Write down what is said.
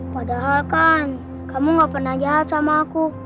padahal kan kamu gak pernah jahat sama aku